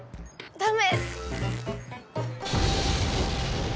ダメ！